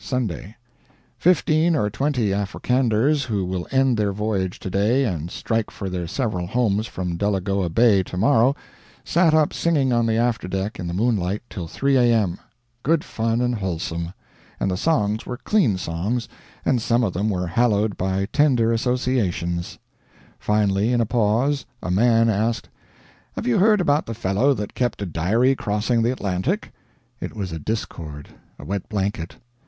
Sunday. Fifteen or twenty Africanders who will end their voyage to day and strike for their several homes from Delagoa Bay to morrow, sat up singing on the afterdeck in the moonlight till 3 A.M. Good fun and wholesome. And the songs were clean songs, and some of them were hallowed by tender associations. Finally, in a pause, a man asked, "Have you heard about the fellow that kept a diary crossing the Atlantic?" It was a discord, a wet blanket.